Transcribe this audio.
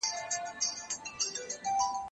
ښوونځی ولي مهم دی؟